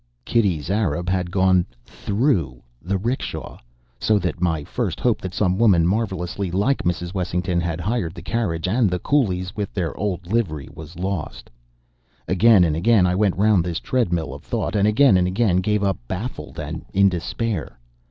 Kitty's Arab had gone through the 'rickshaw: so that my first hope that some woman marvelously like Mrs. Wessington had hired the carriage and the coolies with their old livery was lost. Again and again I went round this treadmill of thought; and again and again gave up baffled and in despair.